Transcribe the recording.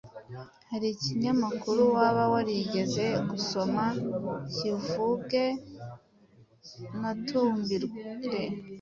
Hari ikinyamakuru waba warigeze gusoma? Kivuge unatubwire